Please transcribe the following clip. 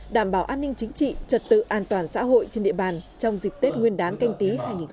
đảm bảo an ninh chính trị trật tự an toàn xã hội trên địa bàn trong dịp tết nguyên đán canh tí hai nghìn hai mươi